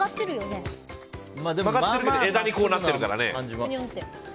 枝にこうなってるからね。